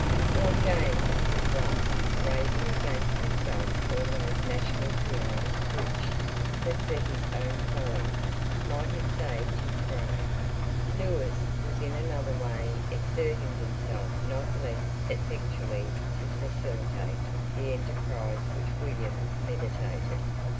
While James was thus raising against himself all those national feelings which, but for his own folly, might have saved his throne, Lewis was in another way exerting himself not less effectually to facilitate the enterprise which William meditated.